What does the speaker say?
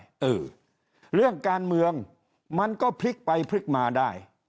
เออเรื่องการเมืองมันก็พลิกไปพลิกมาได้